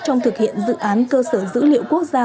trong thực hiện dự án cơ sở dữ liệu quốc gia